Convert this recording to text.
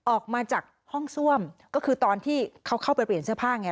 ออกมาจากห้องซ่วมก็คือตอนที่เขาเข้าไปเปลี่ยนเสื้อผ้าไง